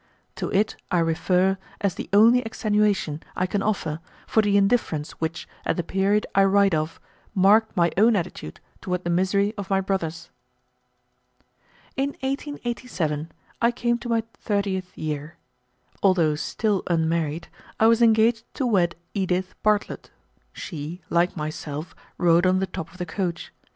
To it I refer as the only extenuation I can offer for the indifference which, at the period I write of, marked my own attitude toward the misery of my brothers. In 1887 I came to my thirtieth year. Although still unmarried, I was engaged to wed Edith Bartlett. She, like myself, rode on the top of the coach.